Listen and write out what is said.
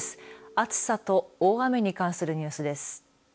暑さと大雨に関するニュースです。